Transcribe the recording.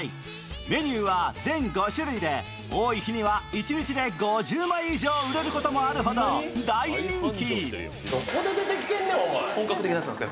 メニューは全５種類で多い日には一日で５０枚以上売れることもあるほど大人気。